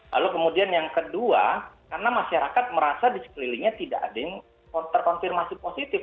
lalu kemudian yang kedua karena masyarakat merasa di sekelilingnya tidak ada yang terkonfirmasi positif